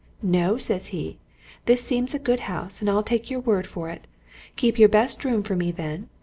'No,' says he, 'this seems a good house, and I'll take your word for it keep your best room for me, then.'